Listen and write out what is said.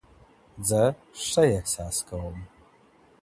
زه ښه احساس کوم